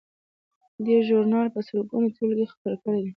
دې ژورنال په سلګونو ټولګې خپرې کړې دي.